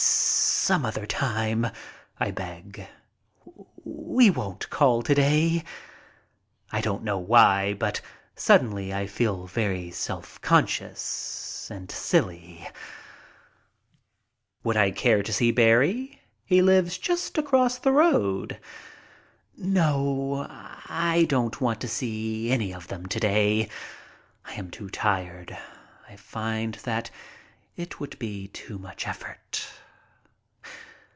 "Some other time," I beg. "We won't call to day." I don't know why, but suddenly I feel self conscious and silly — 68 MY TRIP ABROAD Would I care to see Barrie? He lives just across the road. "No, I don't want to see any of them to day." I am too tired. I find that it would be too much effort.